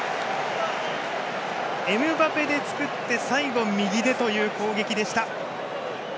エムバペで作って最後は右でという攻撃でした。